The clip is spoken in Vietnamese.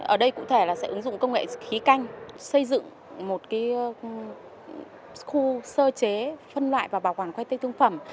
ở đây cụ thể là sẽ ứng dụng công nghệ khí canh xây dựng một khu sơ chế phân loại và bảo quản khoai tây thương phẩm